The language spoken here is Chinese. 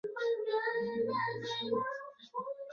德赖茨希是德国图林根州的一个市镇。